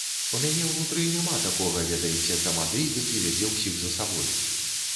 У мяне ўнутры няма такога, ведаеце, тамады, які вядзе ўсіх за сабой!